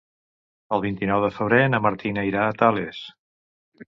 El vint-i-nou de febrer na Martina irà a Tales.